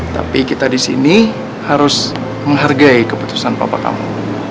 tapi kita di sini harus menghargai keputusan bapak kamu